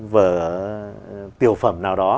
vợ tiểu phẩm nào đó